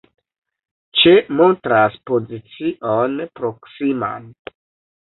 Ĉe montras pozicion proksiman.